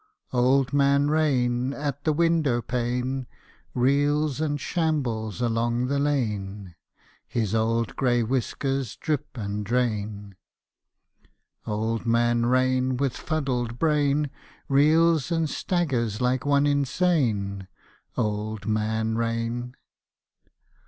Old Man Rain at the windowpane Reels and shambles along the lane: His old gray whiskers drip and drain: Old Man Rain with fuddled brain Reels and staggers like one insane. Old Man Rain.